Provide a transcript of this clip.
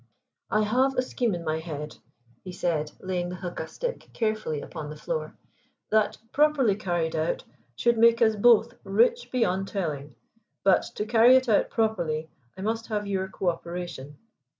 "I have a scheme in my head," he said, laying the huqa stick carefully upon the floor, "that, properly carried out, should make us both rich beyond telling, but to carry it out properly I must have your co operation."